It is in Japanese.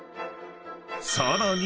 ［さらに］